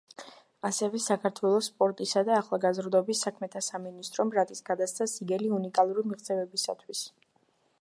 ასევე საქართველოს სპორტისა და ახალგაზრდობის საქმეთა სამინისტრომ, რატის გადასცა სიგელი უნიკალური მიღწევებისათვის.